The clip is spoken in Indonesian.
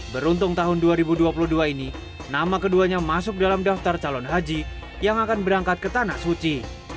beruntung tahun dua ribu dua puluh dua ini nama keduanya masuk dalam daftar calon haji yang akan berangkat ke tanah suci